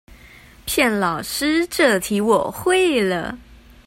騙老師這題我會了